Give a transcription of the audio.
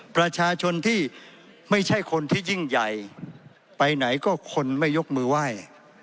ประชาชนที่ไม่ใช่คนที่ยิ่งใหญ่ไปไหนก็คนไม่ยกมือไหว้